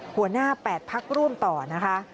หัวหน้า๘พักร่วมต่อนะคะ